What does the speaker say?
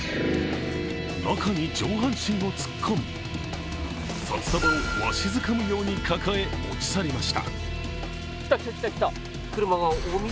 中に上半身を突っ込み札束をわしづかむように抱え持ち去りました。